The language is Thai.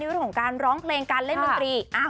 ในวัตถุของการร้องเพลงการเล่นมิงตรี